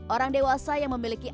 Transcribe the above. orang dewasa yang memiliki